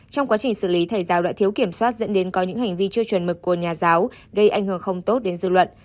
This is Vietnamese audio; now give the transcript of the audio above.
trong quá trình xử lý thầy giáo đã thiếu kiểm soát dẫn đến có những hành vi chưa chuẩn mực của nhà giáo gây ảnh hưởng không tốt đến dư luận